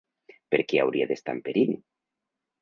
Per què hauria d'estar en perill?